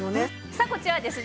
さあこちらはですね